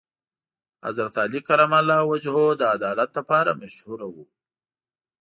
حضرت علی کرم الله وجهه د عدالت لپاره مشهور و.